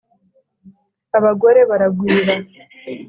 Abagore baragwira